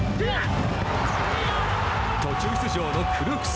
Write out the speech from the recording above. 途中出場のクルークス。